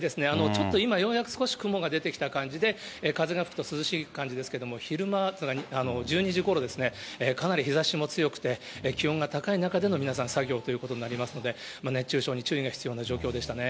ちょっと今ようやく少し雲が出てきた感じで、風が吹くと涼しい感じですけど、昼間、１２時ごろですね、かなり日ざしも強くて、気温が高い中での皆さん作業ということになりますので、熱中症に注意が必要な状況でしたね。